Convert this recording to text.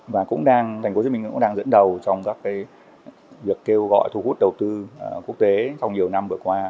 và tp hcm cũng đang dẫn đầu trong các việc kêu gọi thu hút đầu tư quốc tế trong nhiều năm vừa qua